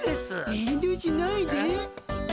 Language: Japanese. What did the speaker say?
遠慮しないで。